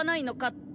って？